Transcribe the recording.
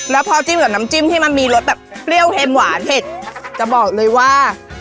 แล้วพอจิ้มกับน้ำจิ้มที่มันมีรสแบบเปรี้ยวเค็มหวานเผ็ดจะบอกเลยว่า